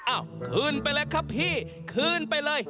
คืนไปเลยครับพี่คืนไปเลย